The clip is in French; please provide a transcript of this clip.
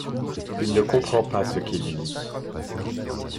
Il ne comprend pas ce qu'il lit.